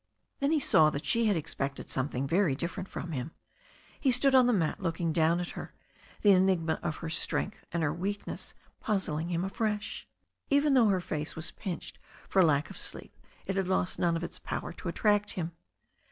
Then he saw that she had expected something very diflFer ent from him. He stood on the mat looking down at her, the enigma of her strength and her weakness puzzling him afresh. Even though her face was pinched for lack of sleep it had lost none of its power to attract him.